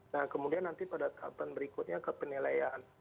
nah kemudian nanti pada tahapan berikutnya ke penilaian